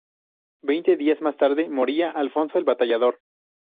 Veinte días más tarde moría Alfonso el Batallador.